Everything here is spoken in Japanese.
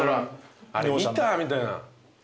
あれ見た？みたいな。